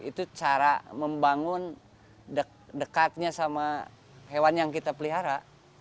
itu cara membangun dekatnya sama hewan yang kita pelihara